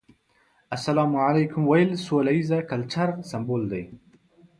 السلام عليکم ويل سوله ييز کلچر سمبول دی.